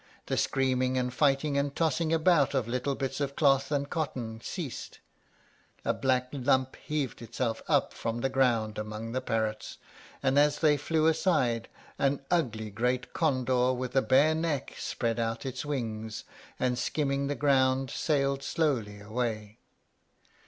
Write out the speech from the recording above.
The screaming and fighting, and tossing about of little bits of cloth and cotton, ceased; a black lump heaved itself up from the ground among the parrots; and as they flew aside, an ugly great condor, with a bare neck, spread out its wings, and, skimming the ground, sailed slowly away.